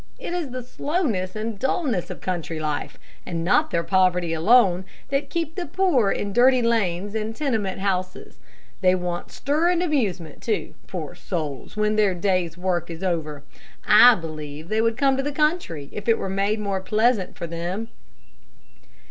It is the slowness and dullness of country life, and not their poverty alone, that keep the poor in dirty lanes and tenement houses. They want stir and amusement, too, poor souls, when their day's work is over. I believe they would come to the country if it were made more pleasant for them."